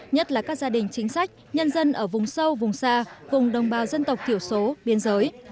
nhất là các gia đình chính sách nhân dân ở vùng sâu vùng xa vùng đồng bào dân tộc thiểu số biên giới